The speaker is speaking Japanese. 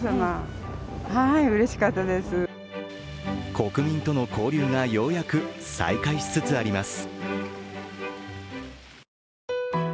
国民との交流がようやく再開しつつあります。